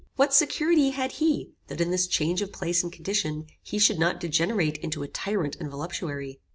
What security had he, that in this change of place and condition, he should not degenerate into a tyrant and voluptuary?